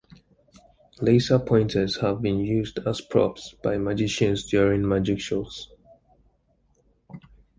Laser pointers have been used as props by magicians during magic shows.